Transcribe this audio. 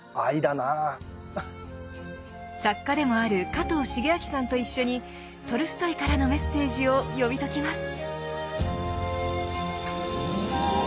作家でもある加藤シゲアキさんと一緒にトルストイからのメッセージを読み解きます。